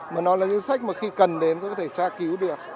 mà nó là những sách mà khi cần đến tôi có thể tra cứu được